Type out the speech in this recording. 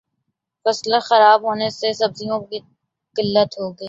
فصل خراب ہونے سے سبزیوں کی قلت ہوگئی